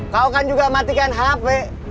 kau kan juga matikan hp